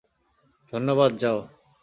ধন্যবাদ, যাও।